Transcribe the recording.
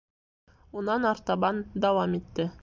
Унан артабан дауам итте.